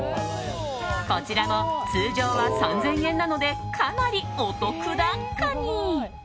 こちらも通常は３０００円なのでかなりお得だカニ。